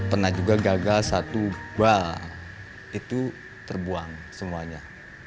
pernah juga gagal satu bal itu terbuang semuanya